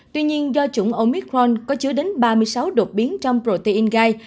tuy nhiên do chủng omitrone có chứa đến ba mươi sáu đột biến trong protein gai